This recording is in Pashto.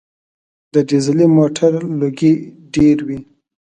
د ډیزلي موټر لوګی ډېر وي.